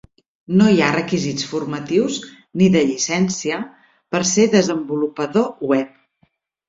No hi ha requisits formatius ni de llicència per ser desenvolupador web.